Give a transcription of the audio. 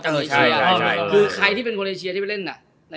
ผมว่าเป็นปรากฏการณ์นะ